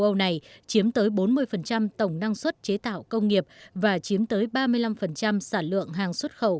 châu âu này chiếm tới bốn mươi tổng năng suất chế tạo công nghiệp và chiếm tới ba mươi năm sản lượng hàng xuất khẩu